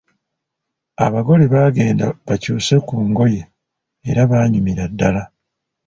Abagole baagenda bakyuse ku ngoye era baanyumira ddala.